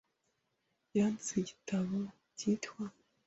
yanditse igitabo cyitwa